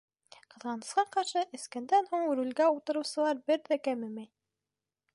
Ҡыҙғанысҡа ҡаршы, эскәндән һуң рулгә ултырыусылар бер ҙә кәмемәй.